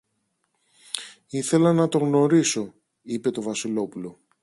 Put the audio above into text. Ήθελα να τον γνωρίσω, είπε το Βασιλόπουλο.